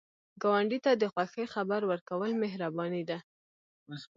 ګاونډي ته د خوښۍ خبر ورکول مهرباني ده